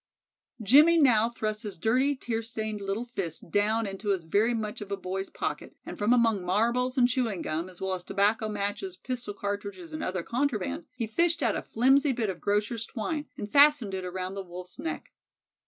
Jimmie now thrust his dirty, tear stained little fist down into his very much of a boy's pocket, and from among marbles and chewing gum, as well as tobacco, matches, pistol cartridges, and other contraband, he fished out a flimsy bit of grocer's twine and fastened it around the Wolf's neck.